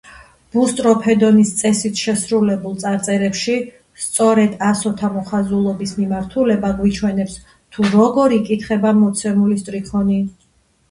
ბუსტროფედონის წესით შესრულებულ წარწერებში სწორედ ასოთა მოხაზულობის მიმართულება გვიჩვენებს, თუ როგორ იკითხება მოცემული სტრიქონი.